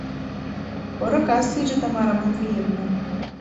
— Поро кас лийже, Тамара Матвеевна!